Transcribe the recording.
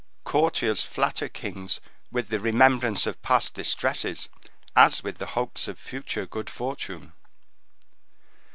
Courtiers flatter kings with the remembrance of past distresses, as with the hopes of future good fortune.